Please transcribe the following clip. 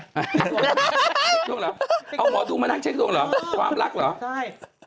เช็คดวงเหรอเอาหมอดูมานั่งเช็คดวงเหรอความรักเหรอใช่